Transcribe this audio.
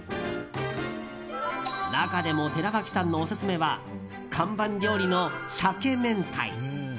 中でも寺脇さんのオススメは看板料理の鮭明太。